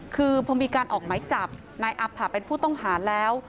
คือพอมีการออกไหมจับนายอับผ่าเป็นผู้ต้องหาแล้ว